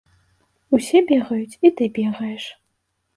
Усе бегаюць і ты бегаеш.